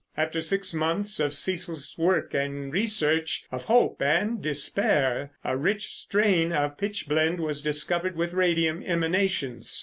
After six months of ceaseless work and research; of hope and despair, a rich strain of pitch blende was discovered with radium emanations.